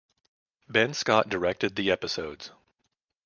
Ben Scott directed the episodes.